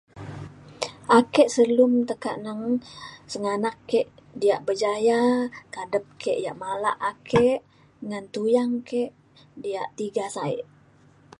ake selum tekak neng sengganak ke diak berjaya kadep ke yak malak ake ngan tuyang diak tiga sa’e